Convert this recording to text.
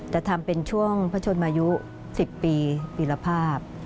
จะทำเป็นช่วงพระชนมายุ๑๐ปีปีละภาพ